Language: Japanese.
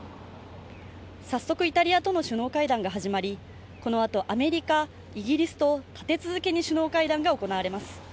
早速、イタリアとの首脳会談が始まり、このあと、アメリカ・イギリスと立て続けに首脳会談が行われます。